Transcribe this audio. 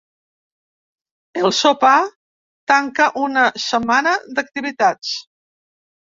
El sopar tanca una setmana d’activitats.